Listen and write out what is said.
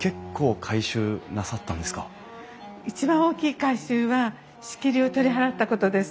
一番大きい改修は仕切りを取り払ったことです。